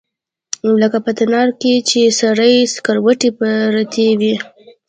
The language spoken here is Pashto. لکه په تناره کښې چې سرې سکروټې پرتې وي.